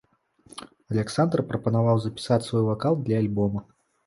Аляксандр прапанаваў запісаць свой вакал для альбома.